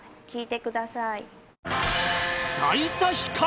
聴いてください。